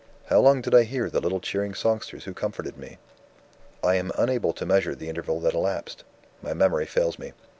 "How long did I hear the little cheering songsters who comforted me? "I am unable to measure the interval that elapsed: my memory fails me.